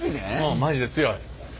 マジで強い。